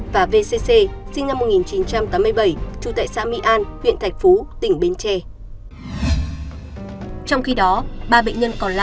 và v c c sinh năm một nghìn chín trăm tám mươi bảy trú tại xã mỹ an huyện thạch phú tỉnh bến tre